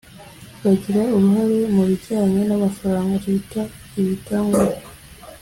bagira uruhare mu bijyanye n'amafaranga leta ibatangaho,